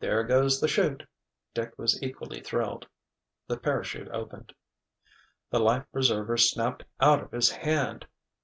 "There goes the 'chute!" Dick was equally thrilled. The parachute opened. "The life preserver snapped out of his hand!"